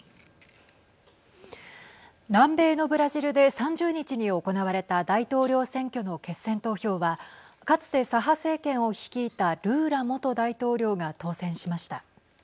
南米のブラジルで３０日に行われた大統領選挙の決選投票はかつて左派政権を率いたルーラ元大統領が当選しました。